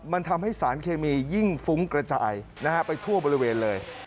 มันทำให้สารเคมียิ่งฟุ้งกระจายไปทั่วบริเวณเลย